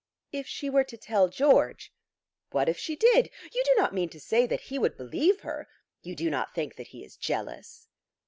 "If she were to tell George." "What if she did? You do not mean to say that he would believe her? You do not think that he is jealous?"